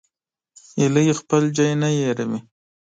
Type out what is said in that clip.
هیلۍ خپل ځای نه هېروي